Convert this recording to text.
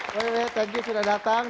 w w thank you sudah datang